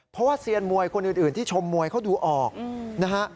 เพราะว่าเซียนมวยคนอื่นที่ชมมวยเขาดูออกนะฮะ